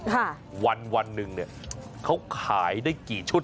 ค่ะวันหนึ่งเขาขายได้กี่ชุด